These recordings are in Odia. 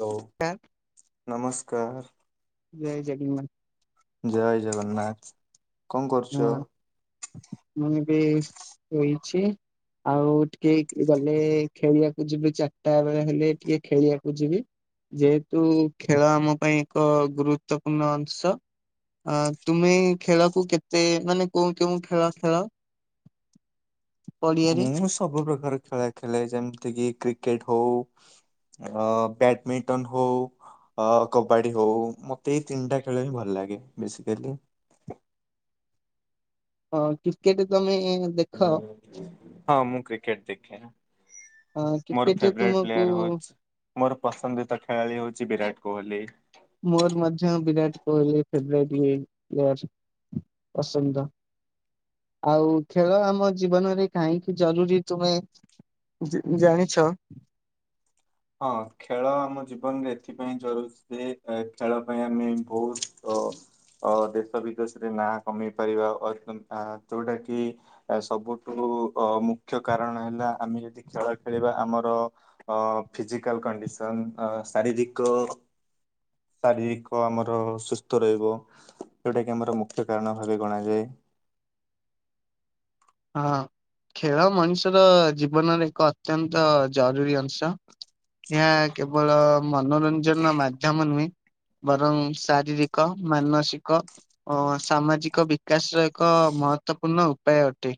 ହ ନମସ୍କାର ନମସ୍କାର। ଜୟ ଜଗନ୍ନାଥ ଜୟ ଜଗନ୍ନାଥ କଣ କରୁଛ? ହଁ ମୁଁ ବି ରଇଛି। ଆଉ ଟିକେ ଗଲେ ଖେଳିବାକୁ ଯିବି ଚାରିଟା ବେଳେ ହେଲେ ଟିକେ ଖେଳିବାକୁ ଯିବି ଯେହେତୁ ଖେଳ ଆମ ପାଇଁ ଏକ ଗୁରୁତ୍ୱପୂର୍ଣ୍ଣ ଅଂଶ। ଅ ତୁମେ ଖେଳକୁ କେତେ ସେ ମାନେ କୋଉ କେଉଁ ଖେଳା ଖେଳ? ପଡିଆରେ ମୁଁ ସବୁ ପ୍ରକାର ଖେଳ ଖେଳେ ଯେମିତିକି କ୍ରିକେଟ ହଉ ଅ ବ୍ୟାଡମିଣ୍ଟନ ହଉ କବାଡି ହଉ ମତେ ଏଇ ତିନିଟା ଖେଳ ହି ଭଲ ଲାଗେ ବସିକଲି ହଁ କ୍ରିକେଟ ତମେ ଦେଖ ହଁ ମୁଁ କ୍ରିକେଟ ଦେଖେ ହଁ ମୋର କ୍ରିକେଟରେ ଫେଭଟ ତୁମକୁ ପ୍ଲେୟାର ହଉଛି ମୋର ପସନ୍ଦତା ଖେଳାଳି ହଉଛି ବିରାଟ କହଲି। ମୋର ମଧ୍ୟ ବିରାଟ ଫେବଟ ପସନ୍ଦ। ଆଉ ଖେଳ ଆମ ଜୀବନରେ କାହିଁକି ଜରୁରୀ ତୁମେ ଜାଣିଛ? ହଁ ଖେଳ ଆମ ଜୀବନରେ ଏଥିପାଇଁ ଜରୁରୀ ଯେ ଖେଳ ପାଇଁ ଆମେ ବହୁତ ଦେଶ ବିଦେଶରେ ନାଁ କମେଇ ପାରିବା ଯୋଉଟା କି? ସବୁଠୁ ଅ ମୁଖ୍ୟ କାରଣ ହେଲା ଆମେ ଯଦି ଖେଳ ଖେଳିବା ଆମର ଅ ଫିଜିକାଲ କଣ୍ଡିସନ୍ ଶାରୀରିକ ଶାରୀରିକ ଆମର ସୁସ୍ଥ ରହିବ ଯଉଟା କି ଆମର ମୁଖ୍ୟ କାରଣ ଭାବେ ଗଣାଯାଏ। ହଁ। ଖେଳ ମଣିଷର ଜୀବନର ଏକ ଅତ୍ୟନ୍ତ ଜରୁରୀ ଅଂଶ ଏହା କେବଳ ମନୋରଞ୍ଜନ ମାଧ୍ୟମ ନୁହେଁ। ବରଂ ଶାରୀରିକ ମାନସିକ ଓ ସାମାଜିକ ବିକାଶ ର ଏକ ମହତ୍ଵପୂର୍ଣ୍ଣ ଉପାୟ ଅ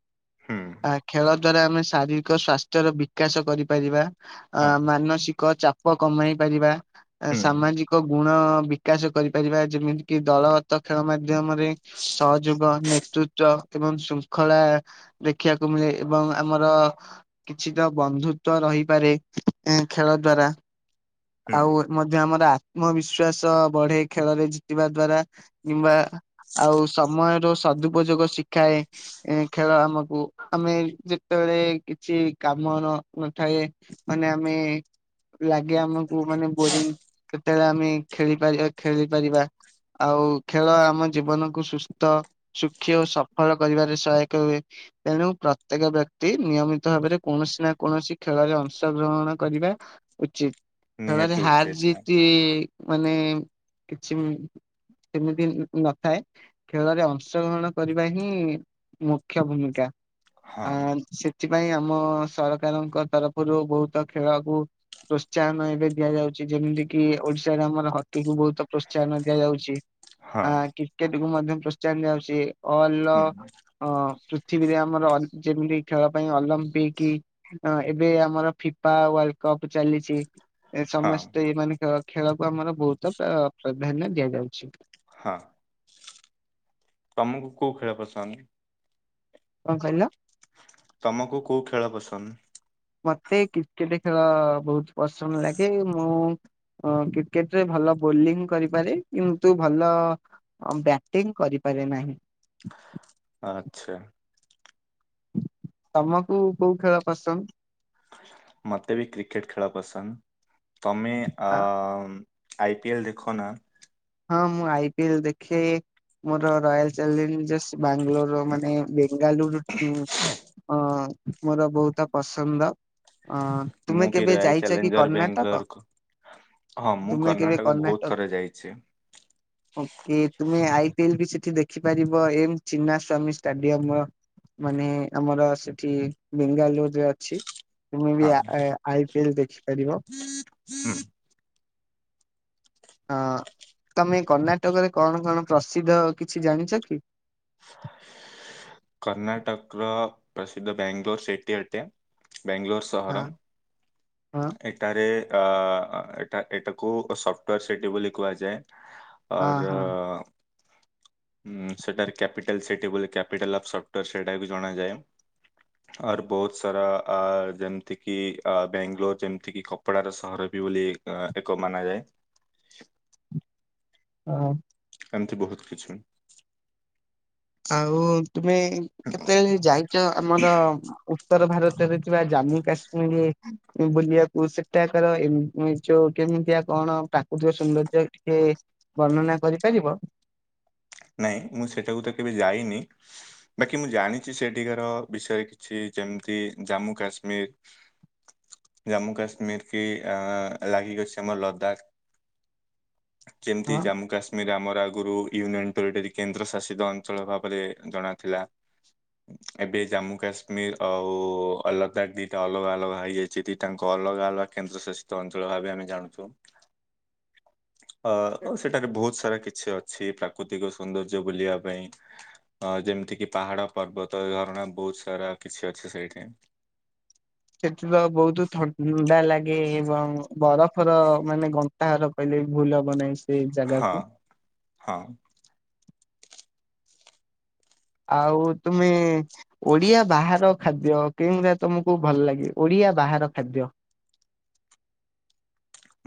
ହୁଁ ଆ ଖେଳ ଦ୍ଵାରା ଆମେ ଶାରୀରିକ ସ୍ୱାସ୍ଥ୍ୟର ବିକାଶ କରିପାରିବା। ଅ ହଁ ମାନସିକ ଚାପ କମାଇ ପାରିବା। ହୁଁ ସାମାଜିକ ଗୁଣ ବିକାଶ କରିପାରିବା। ଯେମିତି କିି ଦଳଗତ ଖେଳ ମାଧ୍ୟମରେ ସହଯୋଗ ନେ ପ୍ରୁତ ଏବଂ ଶୃଙ୍ଖଳା ଦେଖିବାକୁ ମିଳେ ଏବଂ ଆମର କିଛି ତ ବନ୍ଧୁତ୍ୱ ରହିପାରେ। ଖେଳ ଦ୍ୱାରା। ହୁଁ ଆଉ ମଧ୍ୟ ଆମର ଆତ୍ମବିଶ୍ଵାସ ବଢେ। ଖେଳରେ ଜିତିବା ଦ୍ଵାରା। କିମ୍ବା ଆଉ ସମୟର ସଦୁପଯୋଗ ଶିଖାଏ। ଖେଳ ଆମ କୁ ଆମେ ଯେତେବେଳେ କିଛି କାମ ନ ନଥାଏ। ମାନେ ଆମେ ଲାଗେ ଆମକୁ ମାନେ ବୋରିଂ ସେତେବେଳେ ଆମେ ଖେଳି ପାରିବା ଖେଳି ପାରିବା। ଆଉ ଖେଳ ଆମ ଜୀବନକୁ ସୁସ୍ଥ ସୁଖୀ ଓ ସଫଳ କରିବାରେ ସହାୟକ ହୁଏ। ତେଣୁ ପ୍ରତ୍ୟେକ ବ୍ୟକ୍ତି ନିୟମିତ ଭାବରେ କୌଣସି ନା କୌଣସି ଖେଳରେ ଅଂଶ ଗ୍ରହଣ କରିବା। ଉଚିତ୍ ଖେଳରେ ନିହାତି ହାର୍ ଉଚିତ ଜିତି ମାନେ କିଛି ସେମିତି ନଥାଏ। ଖେଳରେ ଅଂଶଗ୍ରହଣ କରିବା ହିଁ ମୁ ମୁଖ୍ୟ ଭୂମିକା। ହଁ ଆ ସେଥିପାଇଁ ଆମ ସରକାରଙ୍କ ତରଫରୁ ବହୁତ ଖେଳକୁ ପ୍ରୋତ୍ସାହନ ଏବେ ଦିଆଯାଉଛି। ଯେମିତି କିି ଓଡିଶାରେ ଆମର ହକିକୁ ବହୁତ ପ୍ରୋତ୍ସାହନ ଦିଆଯାଉଛି। ହଁ ଆ କ୍ରିକେଟ୍ କୁ ମଧ୍ୟ ପ୍ରୋତ୍ସାହନ ଦିଆ ହୋଉଛି। ହୁଁ ଅଲ ପୃଥିବୀରେ ଆମର ଯେମିତି ଖେଳ ପାଇଁ ଅଲମ୍ପିକ ଏବେ ଆମର ଫିଫା କପ୍ ଚାଲିଛି। ଏ ହଁ ସମସ୍ତେ ଏ ମାନେ ଖେଳକୁ ଆମର ବହୁତ ପ୍ରାଧାନ୍ୟ ଦିଆଯାଉଛି। ହଁ ତମକୁ କୋଉ ଖେଳ ପସନ୍ଦ? କଣ କହିଲ? ତମକୁ କୋଉ ଖେଳ ପସନ୍ଦ? ମତେ କ୍ରିକେଟ ଖେଳ ବହୁତ ପସନ୍ଦ ଲାଗେ। ମୁଁ ଅ କ୍ରିକେଟ ରେ ଭଲ ବୋଲିଂ କରିପାରେ। କିନ୍ତୁ ଭଲ ବ୍ୟାଟିଂ କରିପାରେ ନାହିଁ। ଆଚ୍ଛା। ତମକୁ କୋଉ ଖେଳ ପସନ୍ଦ? ମତେ ବି କ୍ରିକେଟ ଖେଳ ପସନ୍ଦ। ତମେ ଅ ଆଇ ପି ଏଲ ଦେଖ ନା। ହଁ ମୁଁ ଆଇ ପିଏଲ ଦେଖେ। ମୋର ରୟାଲ ଚ୍ୟାଲେଞ୍ଜର୍ସ ବାଙ୍ଗାଲୋର ମାନେ ବେଙ୍ଗାଲୁରୁ ଅ ମୋର ବହୁତ ପସନ୍ଦ। ଅ ମୁଁ ତୁମେ ବି କେବେ ରୟାଲ ଯାଇଛ କି ଚ୍ୟାଲେଞ୍ଜର କର୍ଣ୍ଣାଟକ? ବେଙ୍ଗାଲୋରକୁ ହଁ ମୁଁ କର୍ଣ୍ଣାଟକ ବହୁତ ଥରେ ଯାଇଛି। [inaudible] ଓକେ ତୁମେ ଆଇ ପି ଏଲ୍ ବି ସେଠି ଦେଖିପାରିବ। M Chinnaswamy stadium. ମାନେ ଆମର ସେଠି ବେଙ୍ଗାଲୁରୁ ରେ ଅଛି। ତୁମେ ବି ହଁ ଆ ଆଇ ପିଏଲ୍ ଦେଖିପାରିବ। ହୁଁ ହଁ ତମେ କର୍ଣ୍ଣାଟକରେ କଣ କଣ ପ୍ରସିଦ୍ଧ କିଛି ଜାଣିଛ କି? [inaudible] କର୍ଣ୍ଣାଟକ୍ ର ପ୍ରସିଦ୍ଧ ବେଙ୍ଗଲୋର୍ ସେଟି ଅଟେ। ବ୍ୟାଙ୍ଗଲୋର ହଁ ସହର ହଁ ଏଠାରେ ଏଟା ଏଇଟାକୁ ସଫ୍ଟୱୋର ସିଟି ବୋଲି କୁହାଯାଏ। ହଁ ଅର ଉଁ ସେଟାରେ କ୍ୟାପିଟାଲ ସିଟି ବୋଲି କ୍ୟାପିଟାଲ୍ ଅଫ୍ ସଫ୍ଟୋର୍ ସେଇଟାକୁ ଜଣାଯାଏ। ଆର୍ ବହୁତ ସାରା ଆ ଯେମିତି କିି ଆ ବାଙ୍ଗାଲୋର ଯେମିତି କି କପଡାର ସହର ବୋଲି ଏକ ମାନା ଯାଏ। ହଁ [inaudible] ହଁ। ଏମତି ବହୁତ କିଛି। ଆଉ ତୁମେ କେତେବେଳେ ଯାଇଚ ଆମର ଉତ୍ତର ଭାରତରେ ଥିବା ଜାମ୍ମୁ କାଶ୍ମୀର ବୁଲିବାକୁ ସେଠାକାର ଯୋଉ କେ କେମିତିଆ କଣ ପ୍ରାକୃତିକ ସୌନ୍ଦର୍ଯ୍ୟ ଟିକିଏ ବର୍ଣ୍ଣନା କରିପାରିବ। ନାଇଁ ମୁଁ ସେଟାକୁ ତ କେବେ ଯାଇନି ବାକି ମୁଁ ଜାଣିଛି ସେଠିକାର ବିଷୟରେ କିଛି ଯେମିତି ଜାମ୍ମୁ କାଶ୍ମୀର। ଜାମ୍ମୁ କାଶ୍ମୀର କି ଆ ଲାଗିକିଅଛି ଆମର ଲଦାକ। ଯେମିତି ହଁ ଜାମ୍ମୁ କାଶ୍ମୀର ଆମର ଆଗରୁ ୟୁନିଅନ୍ ଜଉଟାକି କେନ୍ଦ୍ର ଶାସିତ ଅଞ୍ଚଳ ଭାବରେ ଜଣା ଥିଲା। ଏବେ ଜାମ୍ମୁ କାଶ୍ମୀର ଆଉ ଅଲ୍ଲତନାଖ ଦିଟା ଅଲଗା ଅଲଗା ହେଇଯାଇଛିି ଦିଟା ଆଙ୍କ। ଅଲଗା ଅଲଗା କେନ୍ଦ୍ର ଶାସିତ ଅଞ୍ଚଳ ଭାବେ ଆମେ ଜାଣୁଚୁ। ଅ ସେଠାରେ ବହୁତ ସାରା କିଛି ଅଛି ପ୍ରାକୃତିକ ସୌନ୍ଦର୍ଯ୍ୟ ବୁଲିବା ପାଇଁ। ଅ ଯେମିତି କିି ପାହାଡ ପର୍ବତ ଝରଣା ବହୁତ ସାରା କିଛି ଅଛି ସେଇଠି। ସେଥି ତ ବହୁତ ଥଣ୍ଡା ଲାଗେ ଏବଂ ବର ର ମାନେ ଗଣ୍ଟା ହାର କହିଲେ ବି ଭୁଲ ହବ ନାହିଁ। ସେଇ ହଁ। ଜାଗାକୁ। ହଁ ଆଉ ତୁମେ ଓଡିଆ ବାହାର ଖାଦ୍ୟ କେଉଁରା ତମକୁ ଭଲ ଲାଗେ ଓଡିଆ ଆ ବାହାର ଖାଦ୍ୟ।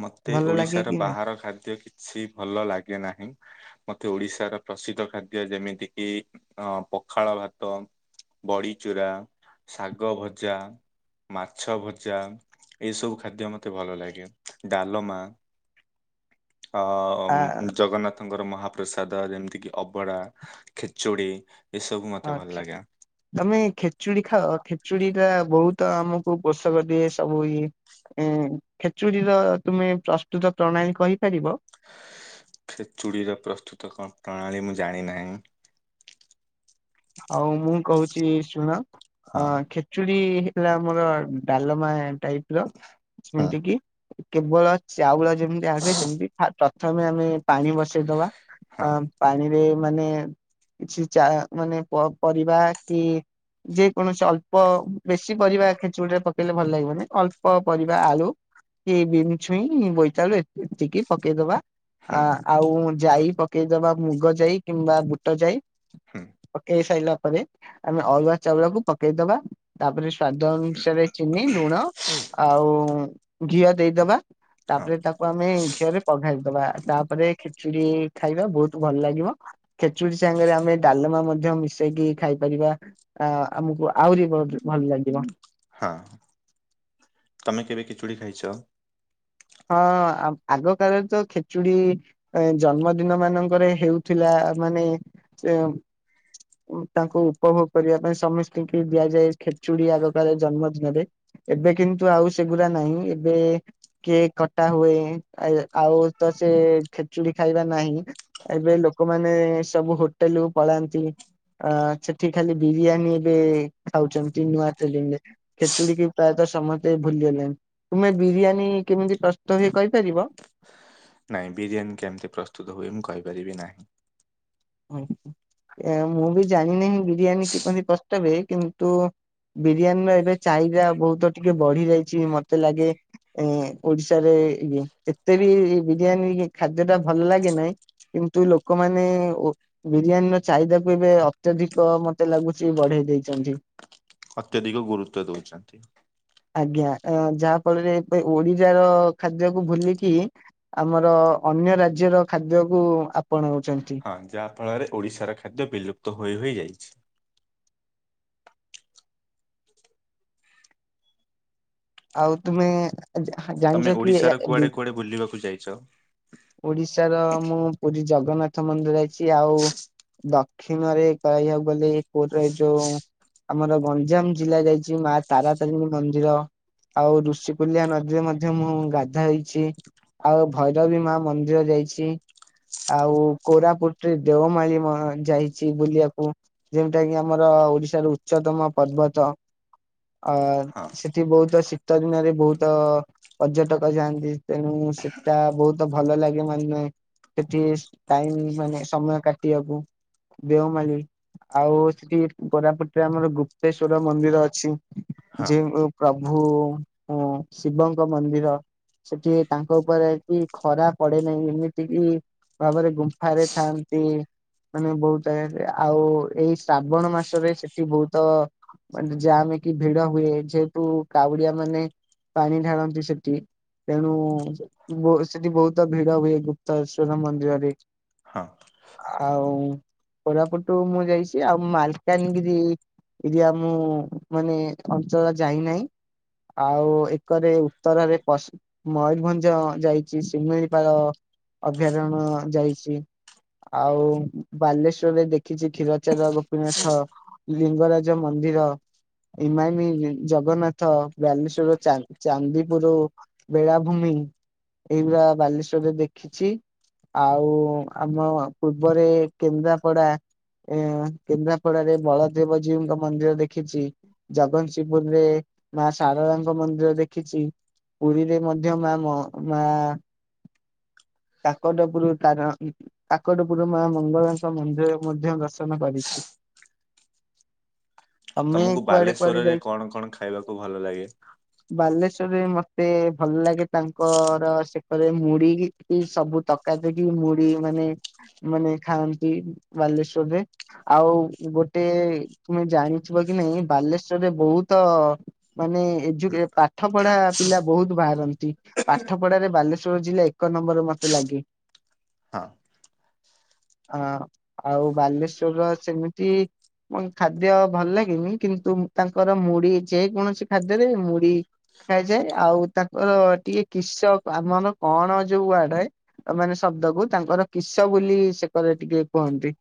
ମୋତେ ଭଲ ଲାଗେ ଓଡିଶାର କି ନାଇଁ ବାହାର ଖାଦ୍ୟ କିଛି ଭଲ ଲାଗେ ନାହିଁ। ମତେ ଓଡିଶାର ପ୍ରସିଦ୍ଧ ଖାଦ୍ୟ ଯେମିତି କିି ଅ ପଖାଳ ଭାତ ବଡିଚୁରା ଶାଗଭଜା ମାଛଭଜା ଏଇସବୁ ଖାଦ୍ୟ ମତେ ଭଲ ଲାଗେ। ଡାଲମା ଅ ଆ ଜଗନ୍ନାଥଙ୍କ ମହାପ୍ରସାଦ ଯେମିତି କି ଅବଢା ଖେଚୁଡି। ଏସବୁ ମତେ ହଁ ଭଲ ଲାଗେ ତମେ ଖେଚୁଡି ଖାଅ ଖେ ଚୁଡ଼ି ଟା ବହୁତ ଆମକୁ ପୋଷକ ଦିଏ ସବୁ ଇଏ ଏ ଖେଚୁଡିର ତୁମେ ପ୍ରସ୍ତୁତ ପ୍ରଣାଳୀ କହିପାରିବ? ଖେଚୁଡ଼ିର ପ୍ରସ୍ତୁତ କଣ ପ୍ରଣାଳୀ ମୁଁ ଜାଣିନାହିଁ। ହଉ ମୁଁ କହୁଛି ଶୁଣ ଅ ହଁ ଖେଚୁଡି ହେଲା ଆମର ଡା ମା ଟାଇପର ହଁ। ଯେମିତି କି କେବଳ ଚାଉଳ ଯେମିତି ଆଣିବେ ସେମିତି ପ୍ରଥମେ ଆମେ ପାଣି ବସେଇଦବା ହଁ ପାଣିରେ ମାନେ କିଛି ଚା ମାନେ ପରିବା କି ଯେ କୌଣସି ଅଳ୍ପ ବେଶୀ ପରିବା ଖେଚୁଡିରେ ପ ପକେଇଲେ ଭଲ ଲାଗିବନି ଅଳ୍ପ ପରିବା ଆଳୁ ସେଇ ବିନ୍ ଛୁଇଁ ବୋଇତାଳୁ ଏତିକି ପକେଇଦବା। ଆ ହୁଁ ଆଉ ଜାଇ ପକେଇଦବା ମୁଗ ଜାଇ କିମ୍ବା ବୁଟ ଜାଇ ହୁଁ ପକେଇ ସାଇଲା ପରେ ଆମେ ଅରୁୁଆ ଚାଉଳକୁ ପକେଇଦବା ତାପରେ ସ୍ଵାଦ ଅନୁସାରେ ଚିନି ଲୁଣ ଆଉ ଘିଅ ଦେଇଦବା। ହଁ ତାପରେ ତାକୁ ଆମେ ଘିଅରେ ପଘାରି ଦବା ତାପରେ ଖେଚୁଡ଼ି ଖାଇବା ବହୁତ ଭଲ ଲାଗିବ ଖେଚୁଡି ସାଙ୍ଗରେ ଆମେ ଡାଲମା ମଧ୍ୟ ମିଶେଇକି ଖାଇପାରିବା ଆ ଆମକୁ ଆହୁରି ଭଲ ଲାଗିବ। ହଁ ତମେ କେବେ ଖେଚୁଡ଼ି ଖାଇଛ? ହଁ ଆଗ କାଳରେ ତ ଖେଚୁଡି ଜନ୍ମଦିନ ମାନଙ୍କରେ ହେଉଥିଲା। ମାନେ ସେ ତାଙ୍କୁ ଉପଭୋଗ କରିବା ପାଇଁ ସମସ୍ତିଙ୍କି ଦିଆଯାଏ ଖେଚୁଡି ଆଗକାଳରେ ଜନ୍ମ ଦିନରେ। ଏବେ କିନ୍ତୁ ଆଉ ସେଗୁଡ଼ା ନାହିଁ ଏବେ କିଏ କଟା ହୁଏ ଆଏ ଆଉ ତ ସେ ଖେଚୁଡି ଖାଇବା ନାହିଁ ଏବେ ଲୋ ଲୋକମାନେ ସବୁ ହୋଟେଲକୁ ପଳାନ୍ତି। ଆ ସେଠି ଖାଲି ବିରିୟାନୀ ଏବେ ଖାଉଛନ୍ତି ନୂଆ ଟେଲିରେ ଖେଚୁଡିିକୁ ପ୍ରାୟତଃ ସମସ୍ତେ ଭୁଲିଗଲେଣି ତୁମେ ବିରିୟାନୀ କେମିତି ପ୍ରସ୍ତୁତ ହୁଏ କହିପାରିବ? ନାହିଁ ବିରିୟାନୀ କେମିତି ପ୍ରସ୍ତୁତ ହୁଏ ମୁଁ କହିପାରିବି ନାହିଁ। ମୁଁ ବି ଜାଣିନାହିଁ ବିରିୟାନୀ କିପରି ପ୍ରସ୍ତୁତ ହୁଏ କିନ୍ତୁ ବିରିୟାନୀର ଏବେ ଚାହିଦା ବହୁତ ଟିକେ ବଢି ଯାଇଛି ମତେ ଲାଗେ ଏ ଓଡିଶାରେ ଇ ଏତେ ବି ବିରିୟାନୀ ଖାଦ୍ୟ ଟା ଭଲ ଲାଗେ ନାଇଁ। କିନ୍ତୁ ଲୋକମାନେ ବିରିୟାନୀର ଚାହିଦାକୁ ଏବେ ଅତ୍ୟଧିକ ମତେ ଲାଗୁଛି ବଢେଇ ଦେଇଛନ୍ତି। ଅତ୍ୟଧିକ ଗୁରୁତ୍ୱ ଦଉଛନ୍ତି। ଆଜ୍ଞା ଯାହା ଫଳରେ ଓଡିଯାର ଖାଦ୍ୟକୁ ଭୁଲିକି ଆମର ଅନ୍ୟ ରାଜ୍ୟର ଖାଦ୍ୟକୁୁ ଆପଣାଉ ହଁ ଯାହା ଫଳରେ ଓଡିଶାର ଖାଦ୍ୟ ବିଲୁପ୍ତ ହୋଇ ହୋଇଯାଇଛି। ଆଉ ତୁମେ ତମେ ଜା-ଜାଣିଛ କି ଓଡିଶାର କୁଆଡେ କୁଆଡେ ବୁଲିବାକୁ ଯାଇଛ? [unintelligible] ଓଡିଶାର ମୁଁ ପୁରୀ ଜଗନ୍ନାଥ ମନ୍ଦିର ଯାଇଛି ଆଉ ଦକ୍ଷିଣରେ କହିବାକୁ ଗଲେ କୋରିର ଏ ଯୋଉ ଆମର ଗଞ୍ଜାମ ଜିଲ୍ଲା ଯାଇଛି ମା ତାରାତାରିଣୀ ମନ୍ଦିର। ଆଉ ଋଷିକୁଲିଆ ନଦୀରେ ମଧ୍ୟ ମୁଁ ଗାଧାଇଚି ଆଉ ଭୈରବୀ ମା ମନ୍ଦିର ଯାଇଛି। ଆଉ କୋରାପୁଟରେ ଦେଓମାଳି ମ ଯାଇଛି ବୁଲିବାକୁ ଯେଉଟା କିି ଆମର ଓଡିଶାର ଉଚ୍ଚତମ ପର୍ବତ ଅ ହଁ ସେଠି ବହୁତ ତ ଶୀତ ଦିନରେ ବହୁତ ପର୍ଯ୍ୟଟକ ଯାଆନ୍ତି ତେଣୁ ସେଟା ବହୁତ ଭଲ ଲାଗେ ମତେ ମେ ସେଠି ଟାଇମ ମାନେ ସମୟ କାଟିବାକୁ ଦେଓମାଳି। ଆଉ ସେଠି କୋରାପୁଟ ରେ ଆମର ଗୁପ୍ତେଶ୍ଵର ମନ୍ଦିର ଅଛି ହଁ ଯ ପ୍ର ଭୁ ଶିବଙ୍କ ମନ୍ଦିର। ସେଠି ତାଙ୍କ ଉପରେ କି ଖରା ପଡେ ନାହିଁ ଏମିତିକି ଭାବରେ ଗୁମ୍ଫାରେ ଥାନ୍ତି। ମାନେ ବହୁତ ଆ ଆଉ ଏଇ ଶ୍ରାବଣ ମାସରେ ସେଠି ବହୁତ ମାନେ ଯା ଭିଡ ହୁଏ ଯେହେତୁ କାଉଡିଆ ମାନେ ପାଣି ଢାଳନ୍ତି ସେଠି। ତେଣୁ ସେ-ସେଠି ବହୁତ ଭିଡ ହୁଏ ଗୁପ୍ତଶ୍ୱର ମନ୍ଦିରରେ। ହଁ ଆଉ କୋରାପୁଟୁ ମୁଁ ଯାଇଛି ଆଉ ମାଲକାନଗିରି। ଏଠିଆ ମୁଁ ମାନେ ଅଞ୍ଚଳ ଯାଇନାହିଁ। ଆଉ ଏକରେ ଉତ୍ତରରେ ପ ମୟୂରଭଞ୍ଜ ଯାଇଛି ଶିମିଳିପାଳ। ଅଭୟାରଣ୍ୟ ଯାଇଛି। ଆଉ ବାଲେଶ୍ଵରରେ ଦେଖିଛି କ୍ଷୀରଚାର ଗୋପୀନାଥ ଲିଙ୍ଗରାଜ ମନ ର ଇମାମି ଜଗନ୍ନା ବାଲେଶ୍ୱର ଚା-ଚାନ୍ଦିପୁର ବେଳାଭୂମି। ଏଇଗୁରା ବାଲେଶ୍ଵରରେ ଦେଖିଛି। ଆଉ ଆମ ପୂର୍ବରେ କେନ୍ଦ୍ରାପଡା। ଏ କେନ୍ଦ୍ରାପଡାରେ ବଳଦେବଜୀଉଙ୍କ ମନ୍ଦିର ଦେଖିଛି। ଜଗତସିଂହପୁରରେ ମା ସାରଳାଙ୍କ ମନ୍ଦିର ଦେଖିଛି। ପୁରୀରେ ମଧ୍ୟ ମା ମ ମା କାକଟପୁର ତାର କାକଟପୁର ମା ମଙ୍ଗଳାଙ୍କ ମନ୍ଦିର ମଧ୍ୟ ଦର୍ଶନ କରିଛି। ତମେ ତମକୁ କୁଆଡେ କୁଆଡେ ଯାଇ ବାଲେଶ୍ଵରରେ କଣ କଣ ଖାଇବାକୁ ଭଲ ଲାଗେ? ବାଲେଶ୍ଵରରେ ମତେ ଭଲ ଲାଗେ ତାଙ୍କର ସେପରେ ମୁଢ଼ିକି ସବୁ ତରକାରୀ ଦେଇକି ମୁଢ଼ି ମାନେ ମାନେ ଖାଆନ୍ତି ବାଲେଶ୍ଵରରେ ଆଉ ଗୋଟେ ତୁମେ ଜାଣି ଥିବ କି ନାଇଁ ବାଲେଶ୍ୱରରେ ବହୁତ ମାନେ ଏଜୁ ପାଠ ପଢା ପିଲା ବୋହୁତ ବାହାରନ୍ତି ପାଠ ପଢାରେ ବାଲେଶ୍ଵର ଜିଲ୍ଲା ଏ କ ନମ୍ବର ମତେ ଲାଗେ। ହଁ। ହଁ ଆଉ ବାଲେଶ୍ଵରର ସେମିତି ମୁଁ ଖାଦ୍ୟ ଭଲ ଲାଗେନି କିନ୍ତୁ ତାଙ୍କର ମୁଢି ଯେକୌଣସି ଖାଦ୍ୟରେ ମୁଢି ଖାଯାଏ ଆଉ ତାଙ୍କର ଟିକେ କିସ ଆମର କଣ ଯୋଉ ଆଡାଏ। ଆ ମାନେ ଶବ୍ଦକୁ ତାଙ୍କର କିସ ବୋଲି ସେକରେ ଟିକେ କୁହନ୍ତି।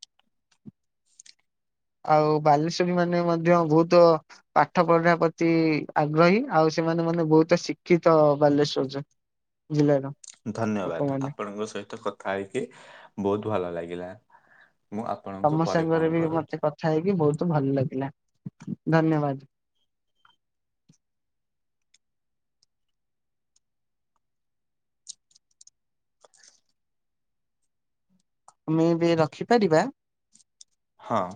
ଆଉ ବାଲେଶ୍ଵରୀ ମାନେ ମଧ୍ୟ ବୋହୁତ ପାଠ ପଢା ପ୍ରତି ଆଗ୍ରହୀ ଆଉ ସେମାନେ ମାନେ ବୋହୁତ ଶିକ୍ଷିତ ବାଲେଶ୍ଵର ଜିଲ୍ଲାର। ଧନ୍ୟବାଦ ଲୋକମାନେ ଆପଣଙ୍କ ସହିତ କଥା ହେଇକି ବୋହୁତ ଭଲ ଲାଗିଲା। ମୁଁ ଆପଣଙ୍କୁ ତମ ପରେ ସାଙ୍ଗରେ ଫୋନ ବି ମତେ କରୁଛି କଥା ହେଇକି ବୋହୁତ ବହୁତ ଭଲ ଲାଗିଲା। ଧନ୍ୟବାଦ। ଆମେ ଏବେ ରଖିପାରିବା। ହଁ।